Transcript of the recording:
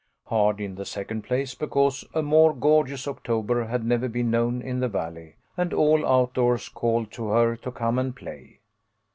Hard, in the second place, because a more gorgeous October had never been known in the Valley, and all out doors called to her to come and play.